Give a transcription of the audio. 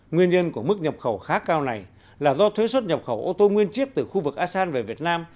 nguyên nhân của mức nhập khẩu khá cao này là do thuế xuất nhập khẩu ô tô nguyên chiếc từ khu vực asean về việt nam